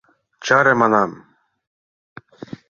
Чаре, манам!